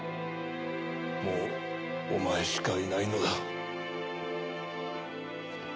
もうお前しかいないのだ。